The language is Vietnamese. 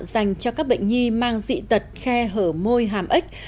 dành cho các bệnh nhi mang dị tật khe hở môi hàm ếch